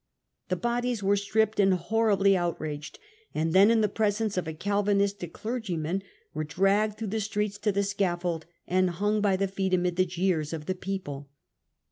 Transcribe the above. The bodies were stripped and horribly outraged, and then, in the presence of a Calvin istic clergyman, were dragged through the streets to the scaffold and hung by the feet amid the jeers of the people.